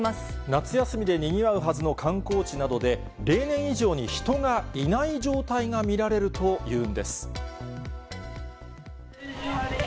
夏休みでにぎわうはずの観光地などで、例年以上に人がいない状態が見られるというんです。